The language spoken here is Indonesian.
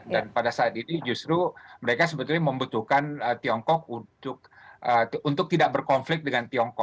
dan pada saat ini justru mereka sebetulnya membutuhkan tiongkok untuk tidak berkonflik dengan tiongkok